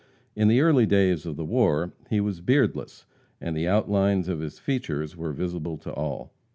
In the early days of the war he was beardless, and the outlines of his features were visible to all.